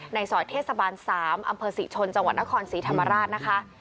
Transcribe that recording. ในซอยเทศบาล๓อำเภอศรีชนจังหวัดนครศรีธรรมราชนะคะ